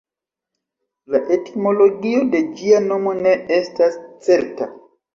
La etimologio de ĝia nomo ne estas certa.